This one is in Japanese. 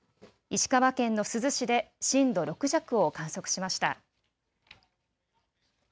石川県の珠洲市で震度６弱を観測しました。